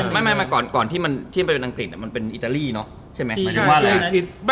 เหมือนไปเป็นอังกฤษมันเป็นอิตาลีเนอะใช่ไหม